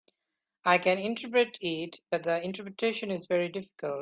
I can interpret it, but the interpretation is very difficult.